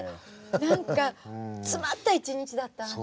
何か詰まった一日だったわね。